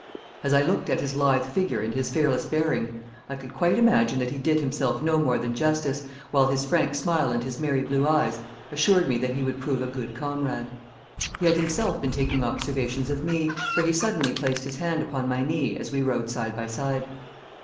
As I looked at his lithe figure and his fearless bearing, I could quite imagine that he did himself no more than justice, while his frank smile and his merry blue eyes assured me that he would prove a good comrade. He had himself been taking observations of me, for he suddenly placed his hand upon my knee as we rode side by side.